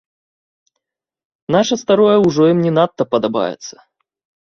Наша старое ўжо ім не надта падабаецца.